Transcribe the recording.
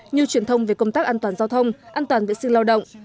như truyền thông về công tác an toàn giao thông an toàn vệ sinh lao động